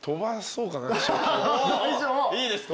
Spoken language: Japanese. いいですか？